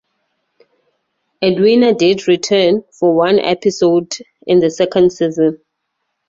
Edwina did return, for one episode, in the second season.